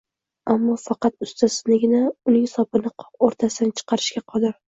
ammo faqat ustasigina uning sopini qoq o'rtasidan chiqarishga qodir.